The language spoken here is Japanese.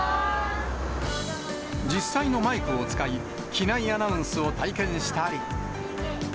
実際のマイクを使い、機内アナウンスを体験したり。